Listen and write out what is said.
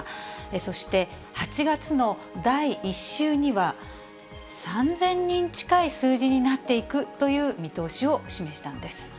そして、８月の第１週には、３０００人近い数字になっていくという見通しを示したんです。